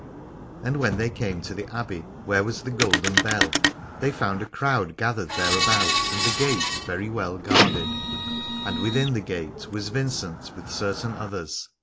And when they came to the Abbey where was the Golden Bell, they found a crowd gathered thereabout, and the gate well guarded: and within the gate was Vincent with certain others.